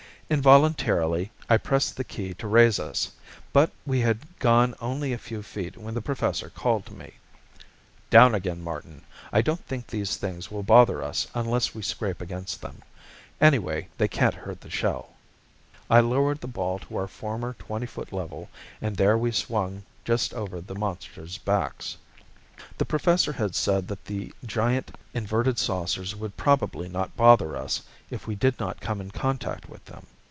Involuntarily I pressed the key to raise us. But we had gone only a few feet when the Professor called to me. "Down again, Martin. I don't think these things will bother us unless we scrape against them. Anyway they can't hurt the shell." I lowered the ball to our former twenty foot level, and there we swung just over the monsters' backs. The Professor had said that the giant inverted saucers would probably not bother us if we did not come in contact with them.